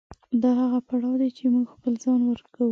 دا هغه پړاو دی چې موږ خپل ځان ورکوو.